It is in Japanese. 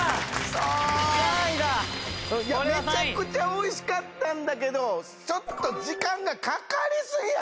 めちゃくちゃ美味しかったんだけどちょっと時間がかかりすぎだからこれ。